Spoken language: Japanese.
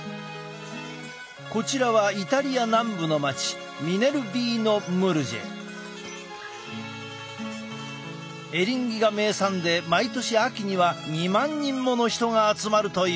こちらはイタリア南部の町エリンギが名産で毎年秋には２万人もの人が集まるという。